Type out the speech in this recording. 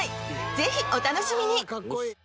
ぜひお楽しみに。